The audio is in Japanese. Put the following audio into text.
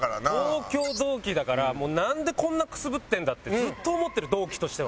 東京同期だからもうなんでこんなくすぶってんだってずっと思ってる同期としては。